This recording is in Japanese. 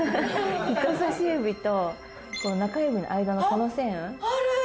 人さし指と中指の間のこの線あっあるー！